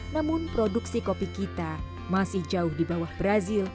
namun produksi kopi kita masih jauh di bawah brazil